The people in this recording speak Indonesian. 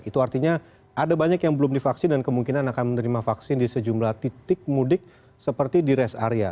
itu artinya ada banyak yang belum divaksin dan kemungkinan akan menerima vaksin di sejumlah titik mudik seperti di rest area